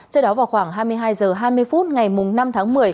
trước đó vào khoảng hai mươi hai h hai mươi phút ngày năm tháng một mươi